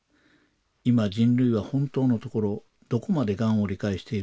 今人類は本当のところどこまでがんを理解しているのか。